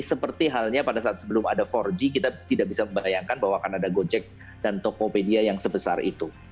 seperti halnya pada saat sebelum ada empat g kita tidak bisa membayangkan bahwa akan ada gojek dan tokopedia yang sebesar itu